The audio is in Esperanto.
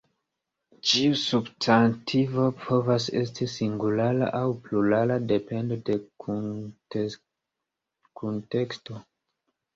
Ĉiu substantivo povas esti singulara aŭ plurala depende de kunteksto.